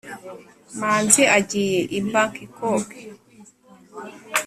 manzi agiye i bangkok